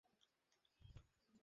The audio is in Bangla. ইহা হইল আর একটি মূলমন্ত্র।